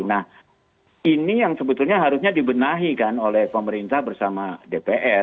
nah ini yang sebetulnya harusnya dibenahi kan oleh pemerintah bersama dpr ya dengan mengadakan kegiatan